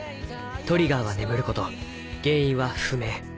トリガーは眠ること原因は不明。